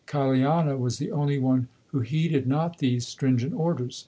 Kaliana was the only one who heeded not these stringent orders.